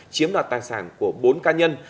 chiếm đoạt tài sản của bốn cá nhân